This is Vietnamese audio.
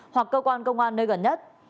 hoặc cơ quan công an nơi gần nhất